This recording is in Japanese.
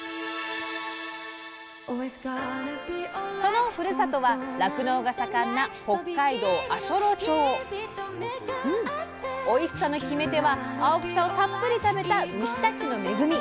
そのふるさとは酪農が盛んなおいしさの決め手は青草をたっぷり食べた牛たちの恵み。